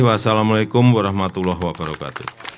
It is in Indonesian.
wassalamu alaikum warahmatullahi wabarakatuh